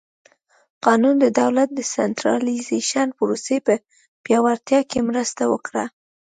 قانون د دولت د سنټرالیزېشن پروسې په پیاوړتیا کې مرسته وکړه.